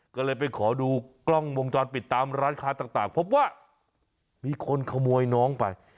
ก็เลยไปขอดูกล้องวงจรปิดตามร้านค้าต่างพบว่ามีคนขโมยน้องไป